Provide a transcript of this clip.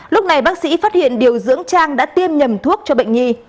lúc này bác sĩ phát hiện điều dưỡng trang đã tiêm nhầm thuốc cho bệnh nhi